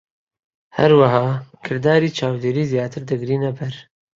هەروەها، کرداری چاودێری زیاتر دەگرینە بەر.